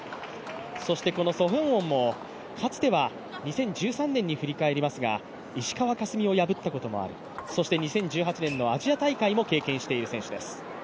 ソ・ヒョウォンもかつては２０１３年に石川佳純を破ったこともある、２０１８年のアジア大会も経験している選手です。